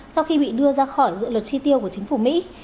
sau khi bị đưa ra khỏi dự luật chi tiêu của chính phủ mỹ